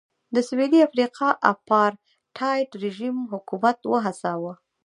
د سوېلي افریقا اپارټایډ رژیم حکومت وهڅاوه.